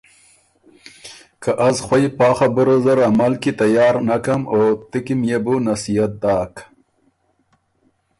که از خوئ پا خبُره زر عمل کی تیار نکم او تُو کی ميې بو نصیحت داک